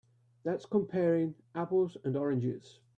That's comparing apples and oranges.